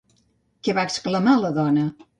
Què va exclamar la dona?